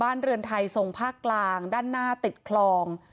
เรือนไทยทรงภาคกลางด้านหน้าติดคลอง